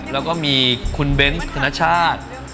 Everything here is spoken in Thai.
แล้วก็มีคุณเบนท์คุณนัชชาติ